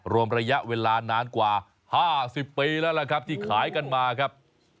รวมระยะเวลานานกว่า๕๐ปีแล้วล่ะครับที่ขายกันมาครับ